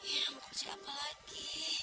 ya kerja apa lagi